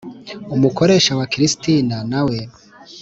Umukoresha wa Christina na we